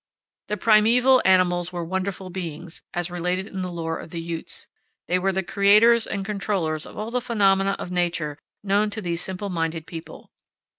The primeval animals were wonderful beings, as related in the lore of the Utes. They were the creators and controllers of all the phenomena of nature known to these simple minded people.